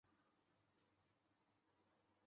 青叶台是东京都目黑区的地名。